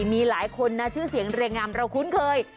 มีหลายคนนะชื่อเสียงเรียงงามเราคุ้นเคย